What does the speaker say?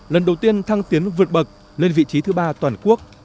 lần đầu tiên thăng tiến vượt bậc lên vị trí thứ ba toàn quốc